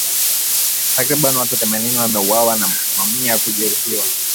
Takribani watu themanini wameuawa na mamia kujeruhiwa